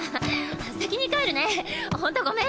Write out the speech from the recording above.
先に帰るねホントごめん！